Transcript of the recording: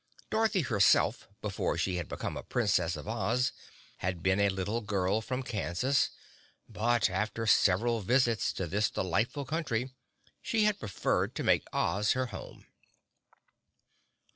Dorothy, herself, before she had become a Princess of Oz, had been a little girl from Kansas but, after several visits to this delightful country, she had preferred to make Oz her home.